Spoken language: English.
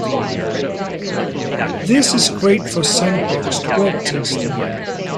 This is great for sandboxed web testing.